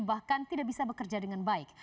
bahkan tidak bisa bekerja dengan baik